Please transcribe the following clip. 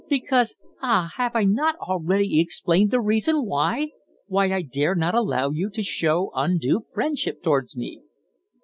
"Because ah! have I not already explained the reason why why I dare not allow you to show undue friendship towards me?"